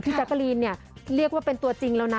พี่จักรีนเรียกว่าเป็นตัวจริงแล้วนะ